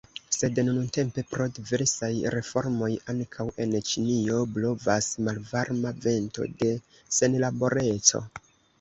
Sed nuntempe pro diversaj reformoj ankaŭ en Ĉinio blovas malvarma vento de senlaboreco.